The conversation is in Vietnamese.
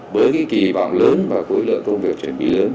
với kỳ vọng lớn và cúi lượng công việc chuẩn bị lớn